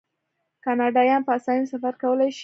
کاناډایان په اسانۍ سفر کولی شي.